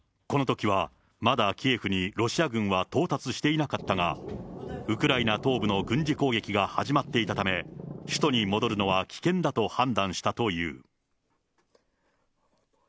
このときはまだキエフにロシア軍は到達していなかったが、ウクライナ東部の軍事攻撃が始まっていたため、首都に戻るのは危険だと判断したという。